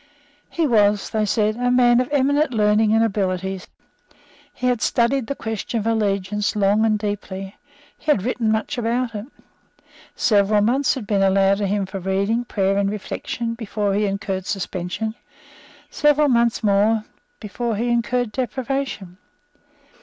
He was, they said, a man of eminent learning and abilities. He had studied the question of allegiance long and deeply. He had written much about it. Several months had been allowed him for reading, prayer and reflection before he incurred suspension, several months more before he incurred deprivation.